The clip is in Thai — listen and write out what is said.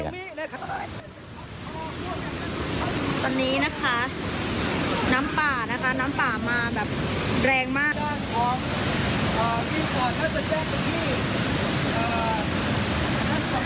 ตอนนี้นะคะน้ำป่ามาแบบแรงมาก